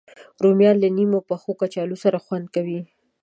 رومیان له نیم پخو کچالو سره خوند کوي